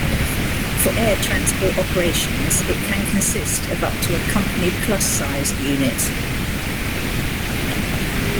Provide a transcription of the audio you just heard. For air transport operations, it can consist of up to a company-plus-sized unit.